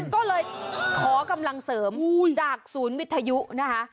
ก็เลยขอกำลังเสริมจากศูนย์วิทยุนะคะ